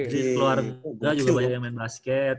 keluarga juga banyak yang main basket